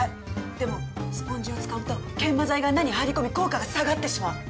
でもスポンジを使うと研磨剤が穴に入り込み効果が下がってしまう。